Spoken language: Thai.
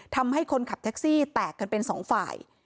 ทำให้คนขับแท็กซี่แตกกันเป็นสองฝ่าย